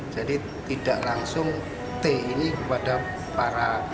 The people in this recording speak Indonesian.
jadi tidak langsung t ini kepada para penyewa